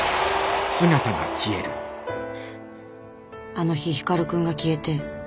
あの日光くんが消えて。